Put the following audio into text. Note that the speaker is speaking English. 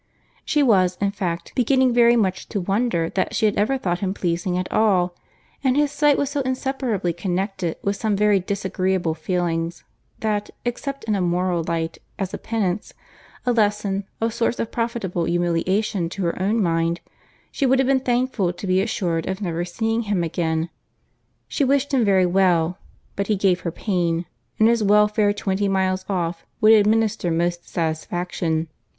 She was, in fact, beginning very much to wonder that she had ever thought him pleasing at all; and his sight was so inseparably connected with some very disagreeable feelings, that, except in a moral light, as a penance, a lesson, a source of profitable humiliation to her own mind, she would have been thankful to be assured of never seeing him again. She wished him very well; but he gave her pain, and his welfare twenty miles off would administer most satisfaction.